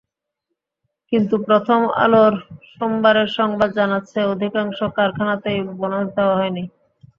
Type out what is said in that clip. কিন্তু প্রথম আলোর সোমবারের সংবাদ জানাচ্ছে, অধিকাংশ কারখানাতেই বোনাস দেওয়া হয়নি।